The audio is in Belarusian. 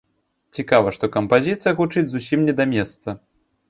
Цікава, што кампазіцыя гучыць зусім не да месца.